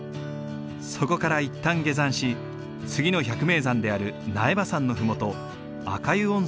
そこから一旦下山し次の百名山である苗場山の麓赤湯温泉へと向かう。